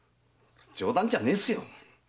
冗談じゃねえっすよ！